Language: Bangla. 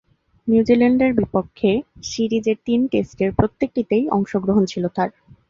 নিউজিল্যান্ডের বিপক্ষে সিরিজের তিন টেস্টের প্রত্যেকটিতেই অংশগ্রহণ ছিল তার।